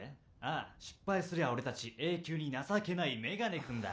ああ失敗すりゃ俺達永久に情けない眼鏡君だ